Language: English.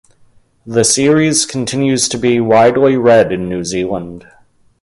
The series continues to be widely read in New Zealand.